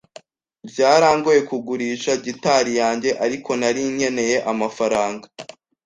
Byarangoye kugurisha gitari yanjye, ariko nari nkeneye amafaranga.